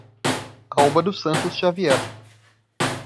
Alba dos Santos Xavier